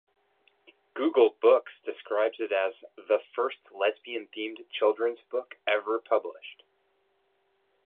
Google Books describes it as "the first lesbian-themed children's book ever published".